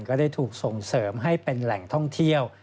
ก็ได้ถูกส่งเสริมให้เป็นแหล่งท่องเที่ยว